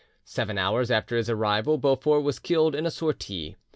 Seven hours after his arrival Beaufort was killed in a sortie.